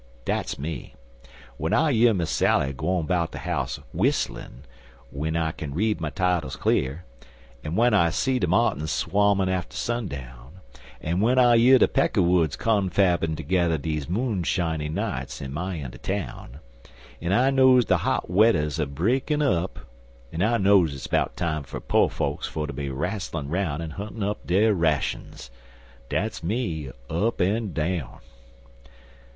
Dat's me. W'en I year Miss Sally gwine 'bout de house w'isslin' 'W'en I k'n read my titles cle'r an' w'en I see de martins swawmin' atter sundown an' w'en I year de peckerwoods confabbin' togedder dese moonshiny nights in my een er town en I knows de hot wedder's a breakin' up, an' I know it's 'bout time fer po' fokes fer ter be rastlin' 'roun' and huntin' up dere rashuns. Dat's me, up an down."